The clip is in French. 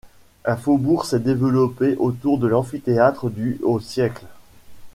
Un faubourg s’est développé autour de l’amphithéâtre du au siècle.